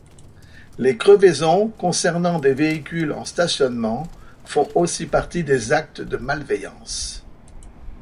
Les crevaisons concernant des véhicules en stationnement font aussi partie des actes de malveillance.